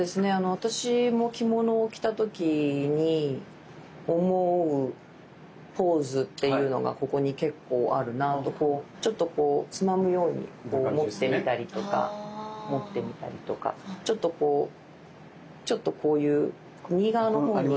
私も着物を着た時に思うポーズっていうのがここに結構あるなぁとちょっとこうつまむように持ってみたりとか持ってみたりとかちょっとこういう右側のほうに。